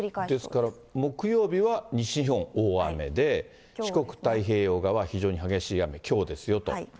ですから木曜日は西日本、大雨で、四国、太平洋側、非常に激しい雨、きょうですよと。